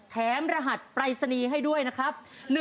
รหัสปรายศนีย์ให้ด้วยนะครับ